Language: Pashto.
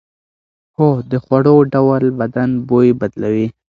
هو، د خوړو ډول بدن بوی بدلوي.